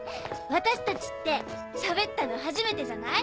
私たちってしゃべったの初めてじゃない？